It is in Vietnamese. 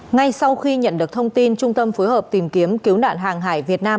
ngay sau khi nhận được thông tin trung tâm phối hợp tìm kiếm cứu nạn hàng hải việt nam